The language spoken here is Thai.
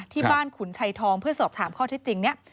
ที่บ้านขุนชัยทองเพื่อสอบถามข้อที่จริงเนี่ย